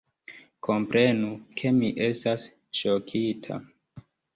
Komprenu, ke mi estas ŝokita!